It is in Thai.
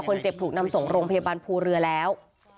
ถูกนำส่งโรงพยาบาลภูเรือแล้ว